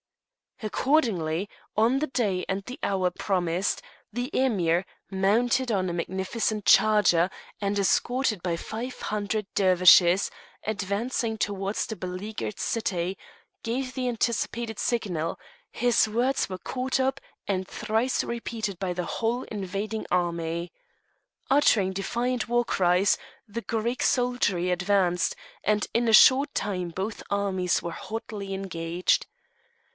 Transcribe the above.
Accordingly, on the day and the hour promised, the Emir, mounted on a magnificent charger, and escorted by five hundred dervishes, advancing towards the beleaguered city, gave the anticipated signal; his words were caught up and thrice repeated by the whole invading army. Uttering defiant war cries, the Greek soldiery advanced, and in a short time both armies were hotly engaged.